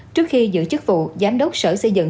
trước khi giữ chức vụ giám đốc sở xây dựng